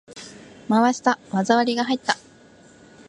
回した！技ありが入った！